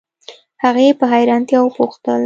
هغې په حیرانتیا وپوښتل